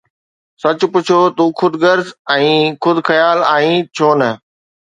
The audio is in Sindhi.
سچ پڇو، تون خود غرض ۽ خود خيال آهين، ڇو نه؟